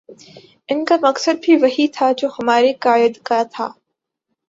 ان کا مقصد بھی وہی تھا جو ہمارے قاہد کا تھا